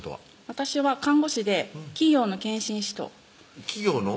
私は看護師で企業の検診しとう企業の？